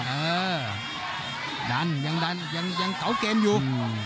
เออดันยังดันยังเกาะเกมอยู่